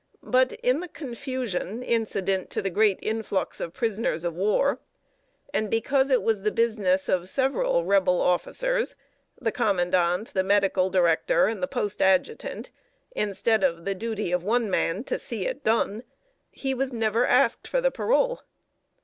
But in the confusion incident to the great influx of prisoners of war, and because it was the business of several Rebel officers the Commandant, the Medical Director, and the Post Adjutant instead of the duty of one man to see it done, he was never asked for the parole.